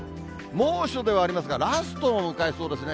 猛暑ではありますが、ラストを迎えそうですね。